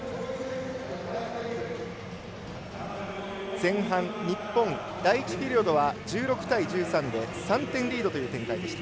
前半、日本第１ピリオドは１６対１３で３点リードという展開でした。